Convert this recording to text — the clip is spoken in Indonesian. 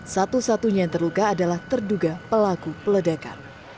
satu satunya yang terluka adalah terduga pelaku peledakan